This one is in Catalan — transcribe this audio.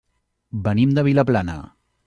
Venim de Vilaplana.